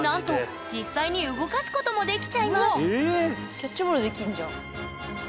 キャッチボールできんじゃん。